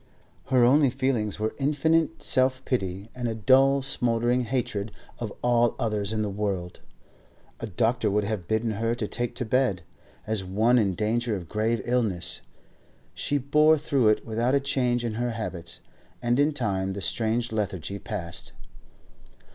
Her only feelings were infinite self pity and a dull smouldering hatred of all others in the world. A doctor would have bidden her take to bed, as one in danger of grave illness. She bore through it without change in her habits, and in time the strange lethargy passed.